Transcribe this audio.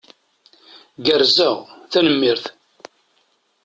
Gerrzeɣ. Tanemmirt.